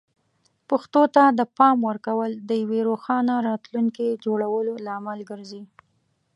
پښتو ته د پام ورکول د یوې روښانه راتلونکې جوړولو لامل ګرځي.